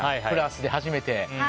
クラスで初めて。